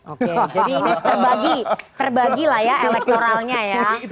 oke jadi ini terbagi lah ya elektoralnya ya